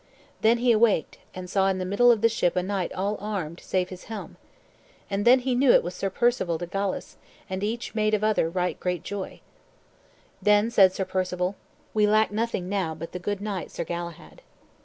Then he awaked, and saw in the middle of the ship a knight all armed, save his helm. And then he knew it was Sir Perceval de Galis, and each made of other right great joy. Then said Sir Perceval, "We lack nothing now but the good knight Sir Galahad."